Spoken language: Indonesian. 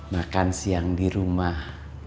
makan siang di rumah